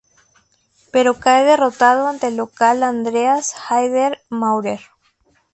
Pero cae derrotado ante el local Andreas Haider-Maurer.